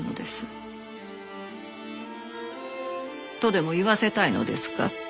とでも言わせたいのですか？